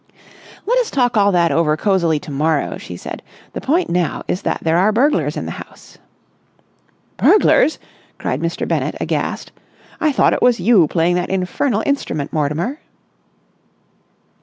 "Let us talk all that over cosily to morrow," she said. "The point now is that there are burglars in the house." "Burglars!" cried Mr. Bennett aghast. "I thought it was you playing that infernal instrument, Mortimer."